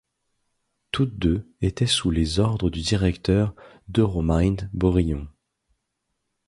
Toutes deux étaient sous les ordres du directeur d'Euromind, Borillon.